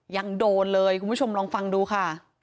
ยังโดนเลยคุณผู้ชมลองฟังดูค่ะ